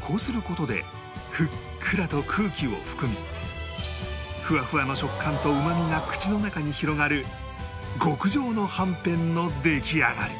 こうする事でふっくらと空気を含みふわふわの食感とうまみが口の中に広がる極上のはんぺんの出来上がり